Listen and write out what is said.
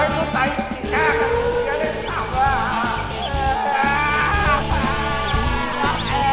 ด้วยมีสุขจัดนะ